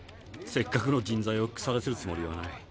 せっかくの人材をくさらせるつもりはない。